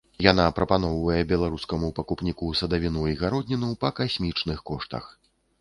Яна прапаноўвае беларускаму пакупніку садавіну і гародніну па касмічных коштах.